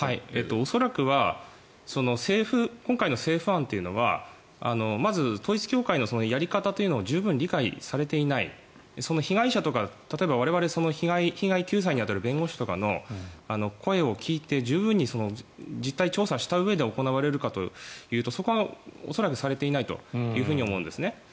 恐らくは今回の政府案はまず統一教会のやり方というのを十分理解されていないその被害者とか例えば我々被害救済に当たる弁護士とかの声を聴いて十分に実態調査したうえで行われるかというとそこは恐らくされていないというふうに思うんですね。